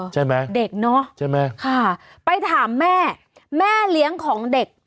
ใช่ไหมเด็กเนอะใช่ไหมค่ะไปถามแม่แม่เลี้ยงของเด็ก